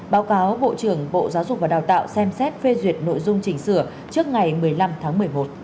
báo cáo bộ trưởng bộ giáo dục và đào tạo xem xét phê duyệt nội dung chỉnh sửa trước ngày một mươi năm tháng một mươi một